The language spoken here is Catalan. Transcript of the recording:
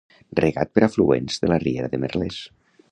Regat per afluents de la riera de Merlès.